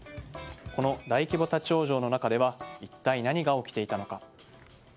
この大規模立ち往生の中では一体何が起きていたのか。